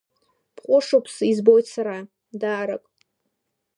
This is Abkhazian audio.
Бҟәышуп, избоит сара, даарак…